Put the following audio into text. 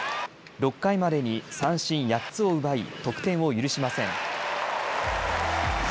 ６回までに三振８つを奪い得点を許しません。